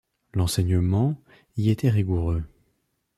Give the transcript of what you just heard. L'enseignement y était rigoureux.